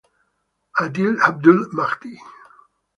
Adil Abdul-Mahdi